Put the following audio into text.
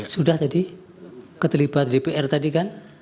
sudah tadi keterlibatan dpr tadi kan